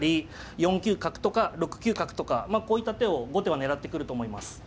九角とか６九角とかこういった手を後手は狙ってくると思います。